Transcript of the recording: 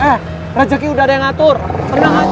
eh rezeki udah ada yang ngatur tenang aja